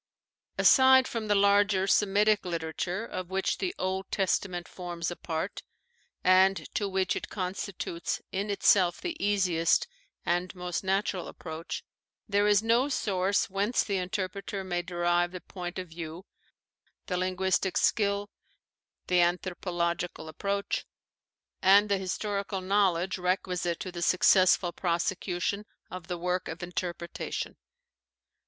Aside from the larger Semitic literature, of which the Old Testament forms a part, and to which it constitutes in itself the easiest and most natu ral approach, there, is no source whence the interpreter may derive the point of view, the linguistic skill, the anthropological approach, and the historical knowledge requisite to the suc cessful prosecution of the work of interpretation.